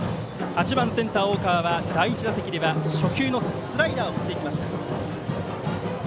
８番センター、大川は第１打席では初球のスライダーを振っていきました。